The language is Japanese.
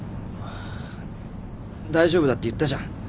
大丈夫だって言ったじゃん。